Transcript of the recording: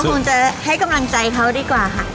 คงจะให้กำลังใจเขาดีกว่าค่ะ